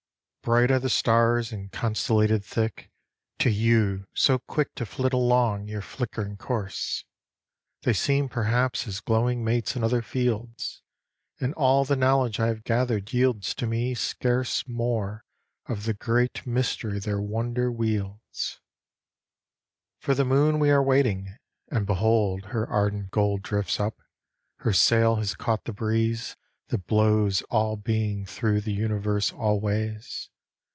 Bright are the stars, and constellated thick. To you, so quick to flit along your flickering course, They seem perhaps as glowing mates in other fields. And all the knowledge I have gathered yields to me Scarce more of the great mystery their wonder wields. For the moon we are waiting and behold Her ardent gold drifts up, her sail has caught the breeze That blows all being thro the Universe always.